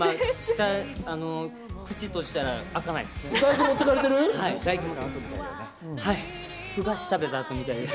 口閉じたら開かないです。